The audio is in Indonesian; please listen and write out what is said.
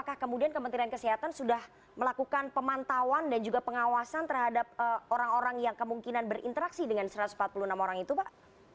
apakah kemudian kementerian kesehatan sudah melakukan pemantauan dan juga pengawasan terhadap orang orang yang kemungkinan berinteraksi dengan satu ratus empat puluh enam orang itu pak